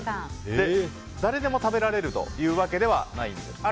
誰でも食べられるというわけではないんですね。